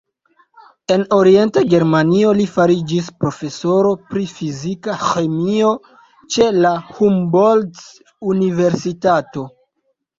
En Orienta Germanio li fariĝis profesoro pri fizika ĥemio ĉe la Humboldt-universitato.